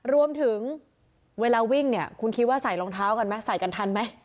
เวลาวิ่งเนี่ยคุณคิดว่าใส่รองเท้ากันไหมใส่กันทันไหม